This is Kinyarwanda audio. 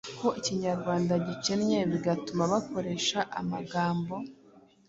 ko Ikinyarwanda gikennye bigatuma bakoresha amagambo